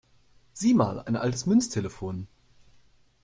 Sieh mal, ein altes Münztelefon!